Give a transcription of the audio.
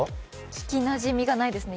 聞きなじみがないですね